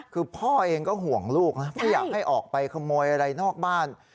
คือพ่อเองก็ห่วงลูกนะไม่อยากให้ออกไปขโมยอะไรนอกบ้าน